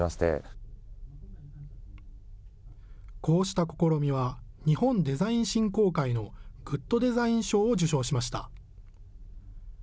こうした試みは、日本デザイン振興会のグッドデザイン賞を受賞しました。